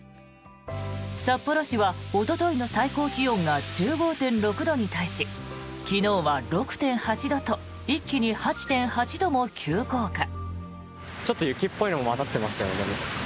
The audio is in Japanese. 札幌市はおとといの最高気温が１５．６度に対し昨日は６．８度と一気に８．８度も急降下。